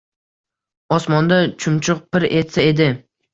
Osmonda chumchuq pir etsa edi.